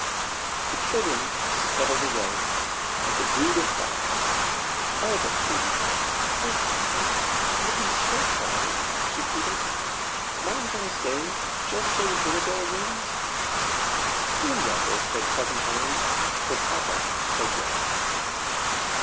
The children scuttled away like a brood of fowls all but Katy. "Oh, Papa, I'll be so quiet!" she pleaded. "Mightn't I stay just till the dinner bell rings?" "Do let her!" said Cousin Helen, so Papa said "Yes."